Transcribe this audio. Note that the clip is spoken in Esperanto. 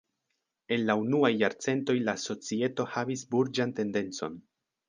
En la unuaj jarcentoj la societo havis burĝan tendencon.